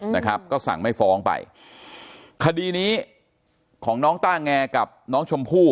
นะครับก็สั่งไม่ฟ้องไปคดีนี้ของน้องต้าแงกับน้องชมพู่